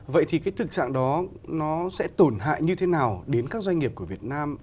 vậy thì cái thực trạng đó nó sẽ tổn hại như thế nào đến các doanh nghiệp của việt nam